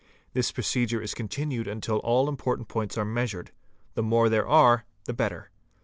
This — procedure is continued until all the important points are measured ; the —||| more there are the better.